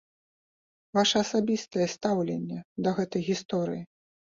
Ваша асабістае стаўленне да гэтай гісторыі?